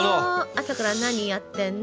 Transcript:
朝から何やってんの？